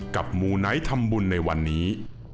มูไนท์ทำบุญในวันนี้